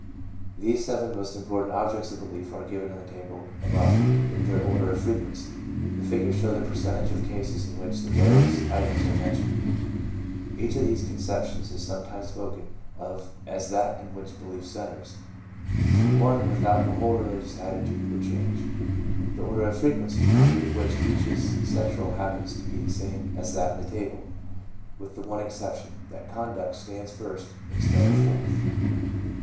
These seven most important objects of belief are given in the table above in their order of frequency. The figures show the percentage of cases in which the various items are mentioned. Each of these conceptions is sometimes spoken of as that in which belief centres — the one without which the whole religious attitude would change. The order of frequency with which each is central happens to be the same as that in the table, with the one exception, that Conduct stands first instead of fourth.